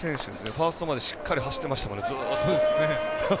ファーストまでしっかり走ってましたもんね。